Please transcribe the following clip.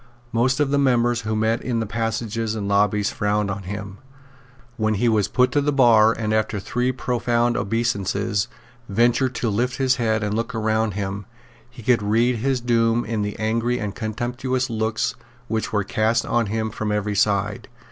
Most of the members whom he met in the passages and lobbies frowned on him. When he was put to the bar, and, after three profound obeisances, ventured to lift his head and look round him, he could read his doom in the angry and contemptuous looks which were cast on him from every side.